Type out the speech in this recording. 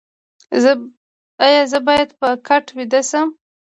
ایا زه باید په کټ ویده شم؟